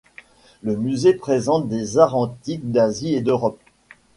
Le musée présente des arts antiques d'Asie et d'Europe.